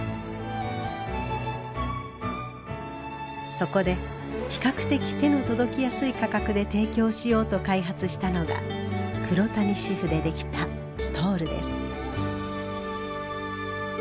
そこで比較的手の届きやすい価格で提供しようと開発したのが黒谷紙布でできたストールです。